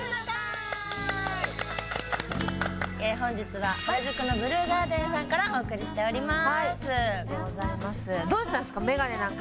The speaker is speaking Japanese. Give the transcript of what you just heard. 本日は原宿のブルーガーデンさんからお送りしております。